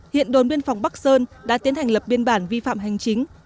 hiện đồn biên phòng bắc sơn đã tiến hành lập biên bản vi phạm hành chính